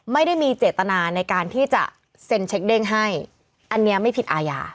ไม่ได้มีเจตนาในการที่จะเซ็นเช็คเด้งให้อันนี้ไม่ผิดอาญา